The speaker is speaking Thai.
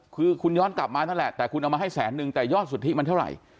คือคุณย้อนกลับมานั่นแหละแต่คุณเอามาให้แสนนึงแต่ยอดสุทธิมันเท่าไหร่